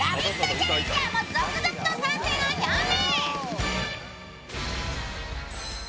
チャレンジャーも続々と参戦を表明。